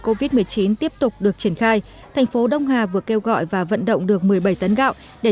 covid một mươi chín tiếp tục được triển khai thành phố đông hà vừa kêu gọi và vận động được một mươi bảy tấn gạo để